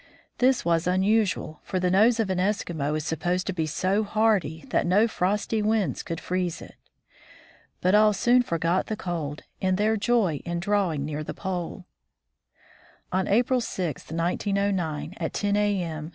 This was unusual, for the nose of an Eskimo is supposed to be so hardy that no frosty winds could freeze it. But all soon forgot the cold in their joy in drawing near the Pole. On April 6, 1909, at ten a.m.